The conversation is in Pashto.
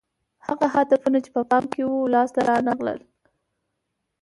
هغه هدفونه چې په پام کې وو لاس ته رانه غلل